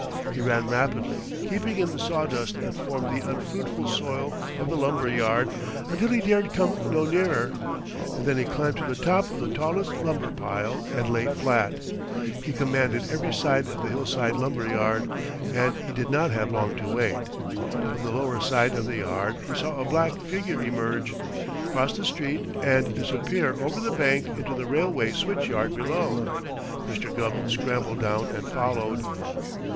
He ran rapidly, keeping in the sawdust that formed the unfruitful soil of the lumber yard, until he dared come no nearer, and then he climbed to the top of the tallest lumber pile and lay flat. He commanded every side of the hillside lumber yard, and he did not have long to wait. From the lower side of the yard he saw a black figure emerge, cross the street and disappear over the bank into the railway switch yard below. Mr. Gubb scrambled down and followed.